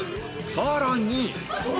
さらに